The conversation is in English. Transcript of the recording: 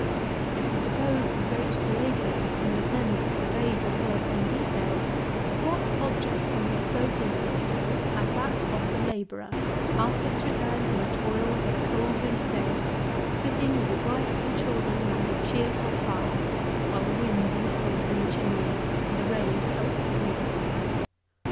If we suppose the great Creator to condescend to survey his works in detail, what object can be so pleasing to him as that of the labourer, after his return from the toils of a cold winter day, sitting with his wife and children round a cheerful fire, while the wind whistles in the chimney and the rain pelts the roof?